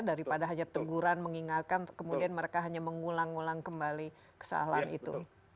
daripada hanya teguran mengingatkan kemudian mereka hanya mengulang ulang kembali kesalahan itu